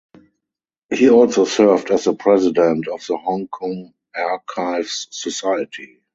He also served as the president of the Hong Kong Archives Society.